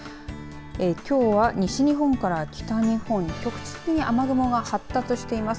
きょうは西日本から北日本局地的に雨雲が発達しています。